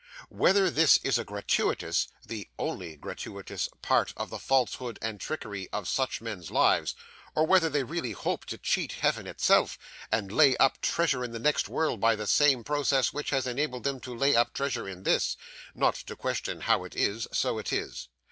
Whether this is a gratuitous (the only gratuitous) part of the falsehood and trickery of such men's lives, or whether they really hope to cheat Heaven itself, and lay up treasure in the next world by the same process which has enabled them to lay up treasure in this not to question how it is, so it is.